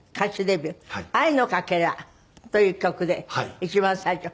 『愛のかけら』という曲で一番最初。